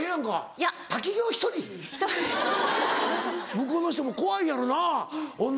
向こうの人も怖いやろな女